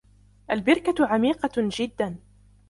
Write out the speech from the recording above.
البركة عميقة جدًّا.